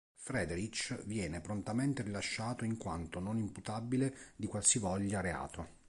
Frédéric viene prontamente rilasciato in quanto non imputabile di qualsivoglia reato.